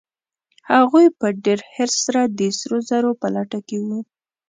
هغوی په ډېر حرص سره د سرو زرو په لټه کې وو.